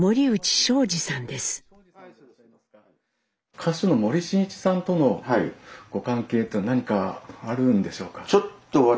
歌手の森進一さんとのご関係って何かあるんでしょうか？